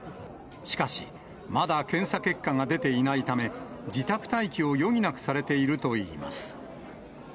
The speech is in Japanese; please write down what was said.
しかし、まだ検査結果が出ていないため、自宅待機を余儀なくされているといいます。